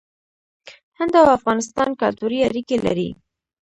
هند او افغانستان کلتوري اړیکې لري.